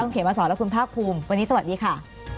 เขมาสอนและคุณภาคภูมิวันนี้สวัสดีค่ะ